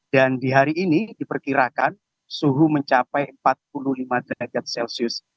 dan di hari ini diperkirakan suhu mencapai empat puluh lima derajat celcius